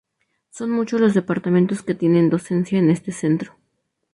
Son muchos los Departamentos que tienen docencia en este centro.